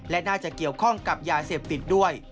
และน่าจะเกี่ยวข้องกับยาเสพติดด้วย